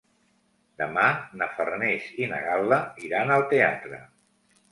Demà na Farners i na Gal·la iran al teatre.